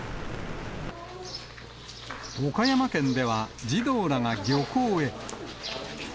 岡山県では児童らが漁港へ。